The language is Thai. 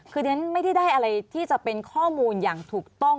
คือเรียนไม่ได้ได้อะไรที่จะเป็นข้อมูลอย่างถูกต้อง